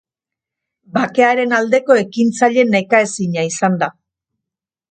Bakearen aldeko ekintzaile nekaezina izan da.